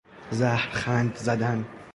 زهرخند زدن